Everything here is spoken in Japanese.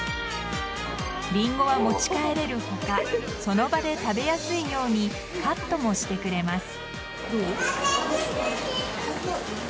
リンゴは持ち帰れる他その場で食べやすいようにカットもしてくれます。